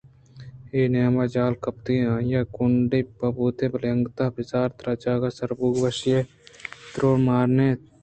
اے نیام ءَ آ جہل ءَ کپت ءُآئی ءِ کونڈٹپ بوت بلئے انگتءَ آ برز تریں جاگہے ءَ سر بوئگ ءِ وشی ءَ اے درداں نہ ماریت اَنت